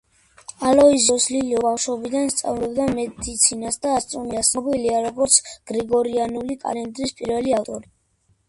ალოიზიუს ლილიო ბავშობიდან სწავლობდა მედიცინას და ასტრონომიას, ცნობილია როგორც გრიგორიანული კალენდრის პირველი ავტორი.